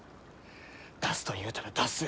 出すと言うたら出す。